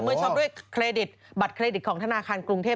เมื่อช้อปด้วยบัตรเครดิตของธนาคารกรุงเทพฯ